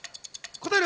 答える？